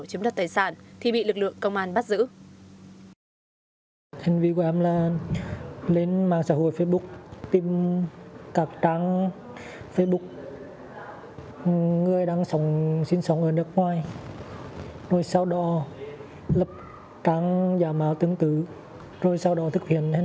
nếu không có tài sản thì bị lực lượng công an bắt giữ